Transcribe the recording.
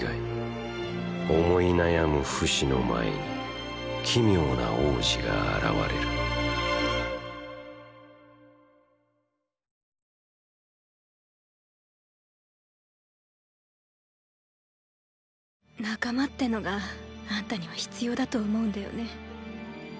思い悩むフシの前に奇妙な王子が現れる“仲間”ってのがあんたには必要だと思うんだよね。